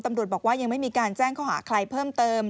ตำรวจบอกว่ายังไม่มีการแจ้งข้อหาใครเพิ่มเติม